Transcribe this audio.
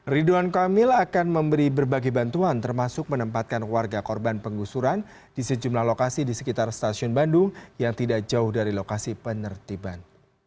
ridwan kamil akan memberi berbagai bantuan termasuk menempatkan warga korban penggusuran di sejumlah lokasi di sekitar stasiun bandung yang tidak jauh dari lokasi penertiban